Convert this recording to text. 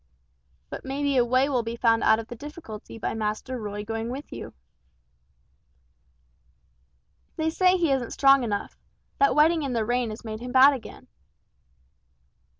"But may be a way will be found out of the difficulty by Master Roy going with you." "They say he isn't strong enough. That wetting in the rain has made him bad again."